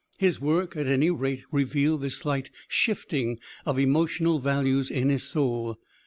His work at any rate revealed this slight shifting of emotional values in his soul.